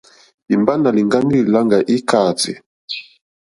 Imba nà lìŋgani li làŋga ikàati.